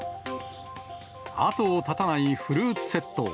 後を絶たないフルーツ窃盗。